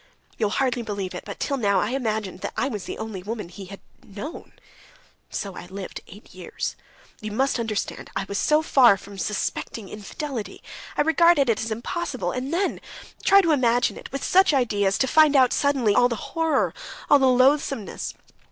You'll hardly believe it, but till now I imagined that I was the only woman he had known. So I lived eight years. You must understand that I was so far from suspecting infidelity, I regarded it as impossible, and then—try to imagine it—with such ideas, to find out suddenly all the horror, all the loathsomeness....